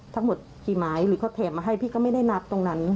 ทั้งหมดกี่ไม้หรือเขาแถมมาให้พี่ก็ไม่ได้นับตรงนั้น